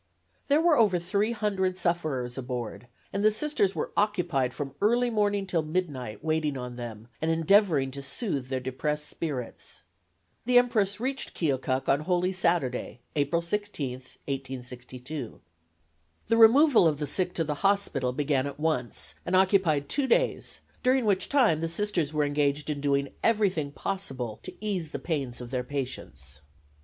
There were over three hundred sufferers aboard, and the Sisters were occupied from early morning till midnight waiting on them and endeavoring to soothe their depressed spirits. The "Empress" reached Keokuk on Holy Saturday, April 16, 1862. The removal of the sick to the hospital began at once and occupied two days, during which time the Sisters were engaged in doing everything possible to ease the pains of their patients.